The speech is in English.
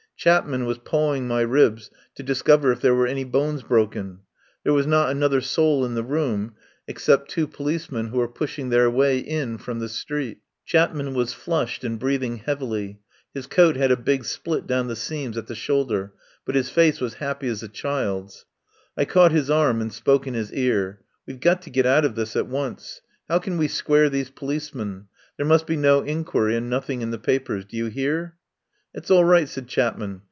Chapman was pawing my ribs to discover if there were any bones broken. There was not another soul in the room ex cept two policemen who were pushing their way in from the street. Chapman was flushed and breathing heav ily: his coat had a big split down the seams at the shoulder, but his face was happy as a child's. I caught his arm and spoke in his ear. "We've got to get out of this at once. How can we square these policemen? There must be no inquiry and nothing in the papers. Do you hear?" "That's all right," said Chapman.